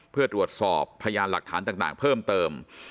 เพื่อตรวจสอบพยานหลักฐานต่างเพิ่มเติม